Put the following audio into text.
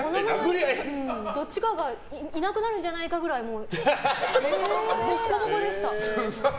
どっちかがいなくなるんじゃないかくらいボッコボコでした。